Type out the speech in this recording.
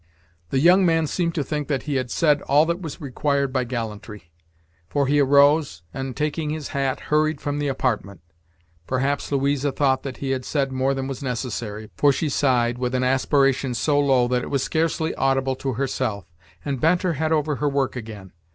The young man seemed to think that he had said all that was required by gallantry, for he arose, and, taking his hat, hurried from the apartment. Perhaps Louisa thought that he had said more than was necessary, for she sighed, with an aspiration so low that it was scarcely audible to herself, and bent her head over her work again.